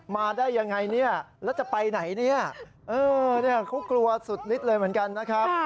มาได้ยังไงเนี่ยแล้วจะไปไหนเนี่ยเขากลัวสุดนิดเลยเหมือนกันนะครับ